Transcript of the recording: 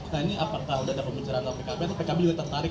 nah ini apakah sudah ada pembicaraan pkb atau pkb juga tertarik